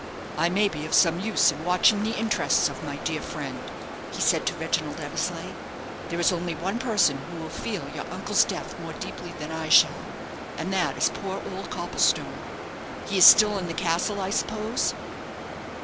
"I may be of some use in watching the interests of my dear friend," he said to Reginald Eversleigh. "There is only one person who will feel your uncle's death more deeply than I shall, and that is poor old Copplestone. He is still in the castle, I suppose?"